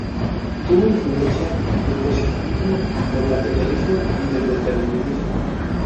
Tuvo influencia del positivismo, del materialismo y del determinismo.